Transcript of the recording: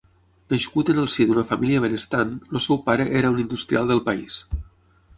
Nascut en el si d'una família benestant, el seu pare era un industrial del país.